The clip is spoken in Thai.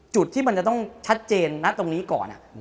จุดที่มันจะต้องชัดเจนนะตรงนี้ก่อน